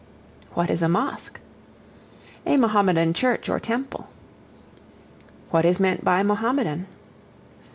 What is a Mosque? A Mahomedan church or temple. What is meant by Mahomedan?